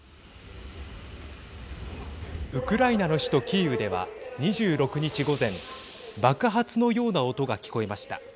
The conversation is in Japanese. ウクライナの首都キーウでは２６日午前爆発のような音が聞こえました。